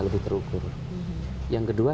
lebih terukur yang kedua